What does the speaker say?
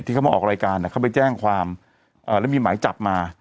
ที่เขามาออกรายการเขาไปแจ้งความแล้วมีหมายจับมา